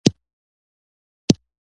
رومیان له هګۍ سره هم پخېږي